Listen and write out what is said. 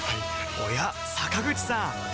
おや坂口さん